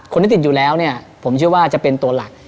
คนที่ติดอยู่แล้วเนี่ยผมเชื่อว่าจะเป็นตัวหลัก